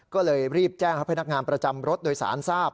ก็เลยรีบแจ้งให้พนักงานประจำรถโดยสารทราบ